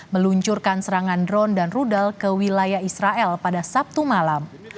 meluncurkan serangan drone dan rudal ke wilayah israel pada sabtu malam